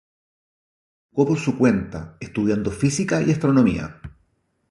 Se educó por su cuenta, estudiando física y astronomía.